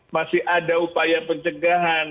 masih ada upaya pencegahan